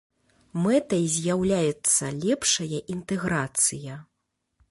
Мэтай з'яўляецца лепшая інтэграцыя.